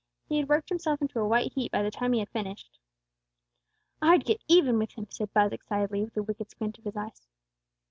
He had worked himself into a white heat by the time he had finished. "I'd get even with him," said Buz, excitedly, with a wicked squint of his eyes.